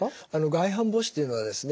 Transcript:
外反母趾というのはですね